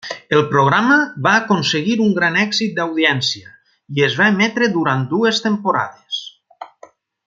El programa va aconseguir un gran èxit d'audiència i es va emetre durant dues temporades.